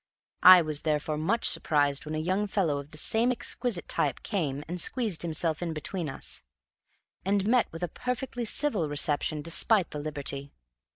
I was therefore much surprised when a young fellow of the exquisite type came and squeezed himself in between us, and met with a perfectly civil reception despite the liberty.